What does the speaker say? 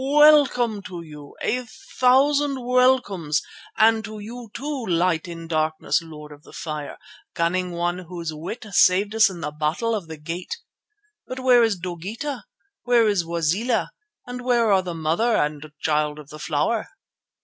Welcome to you, a thousand welcomes, and to you too, Light in Darkness, Lord of the Fire, Cunning one whose wit saved us in the battle of the Gate. But where is Dogeetah, where is Wazeela, and where are the Mother and the Child of the Flower?"